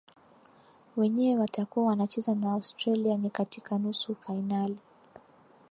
wenyewe watakuwa wanacheza na australia ni katika nusu fainali